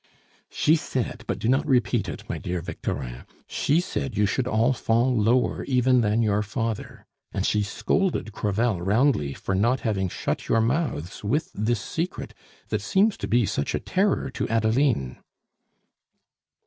"She said, but do not repeat it, my dear Victorin she said you should all fall lower even than your father. And she scolded Crevel roundly for not having shut your mouths with this secret that seems to be such a terror to Adeline."